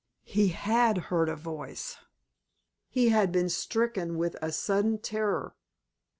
He had heard a voice. He had been stricken with a sudden terror.